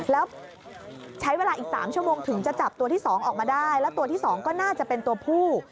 แล้วใช้เวลาอีก๓ชั่วโมงถึงจะจับตัวที่๒ออกมาได้แล้วตัวที่๒ก็น่าจะเป็นตัวผู้